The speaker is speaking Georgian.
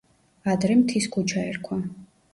ადრე მთის ქუჩა ერქვა.